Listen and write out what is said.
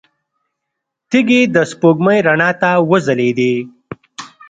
تيږې د سپوږمۍ رڼا ته وځلېدې.